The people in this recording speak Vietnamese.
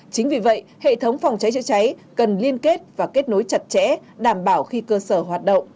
chính vì vậy hệ thống phòng cháy chữa cháy cần liên kết và kết nối chặt chẽ đảm bảo khi cơ sở hoạt động